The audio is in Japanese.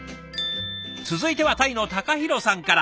続いてはタイのたかひろさんから。